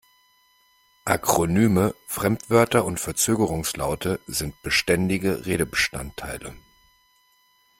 Akronyme, Fremdwörter und Verzögerungslaute sind beständige Redebestandteile.